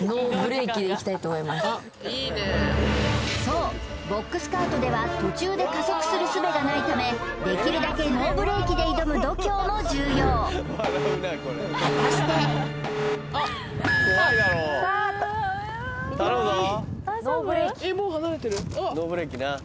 そうボックスカートでは途中で加速するすべがないためできるだけノーブレーキで挑む度胸も重要果たしていきまーすえっ